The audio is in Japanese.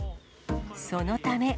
そのため。